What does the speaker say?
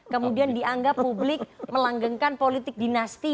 kemudian dianggap publik melanggengkan politik dinasti